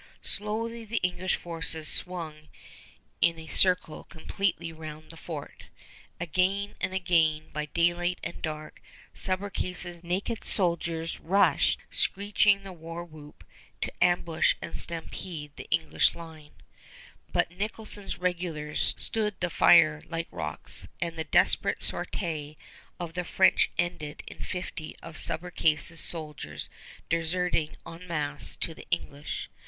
Slowly the English forces swung in a circle completely round the fort. Again and again, by daylight and dark, Subercase's naked soldiers rushed, screeching the war whoop, to ambush and stampede the English line; but Nicholson's regulars stood the fire like rocks, and the desperate sortie of the French ended in fifty of Subercase's soldiers deserting en masse to the English.